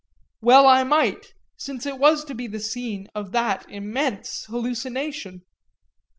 Well I might, since it was to be the scene of that immense hallucination.